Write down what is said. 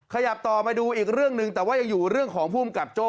ขยับต่อมาดูอีกเรื่องหนึ่งแต่ว่ายังอยู่เรื่องของภูมิกับโจ้